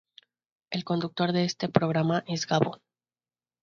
El conductor de este programa es Gabo.